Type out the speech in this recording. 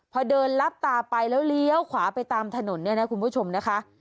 พอเดินลับตาไปแล้วเลี้ยวขวาไปตามถนนเนี่ยนะคุณผู้ชมนะคะ